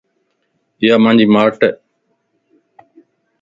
ايا مانجي ماٽ ائي